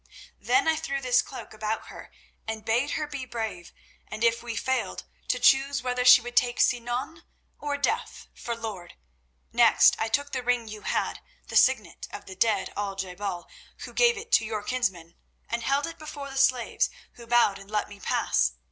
"Then I threw this cloak about her and bade her be brave, and, if we failed, to choose whether she would take Sinan or death for lord. Next, I took the ring you had, the Signet of the dead Al je bal, who gave it to your kinsman, and held it before the slaves, who bowed and let me pass.